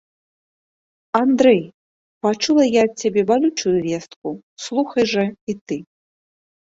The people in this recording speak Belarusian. Андрэй, пачула я ад цябе балючую вестку, слухай жа і ты.